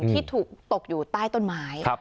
ที่ถูกตกอยู่ใต้ต้นไม้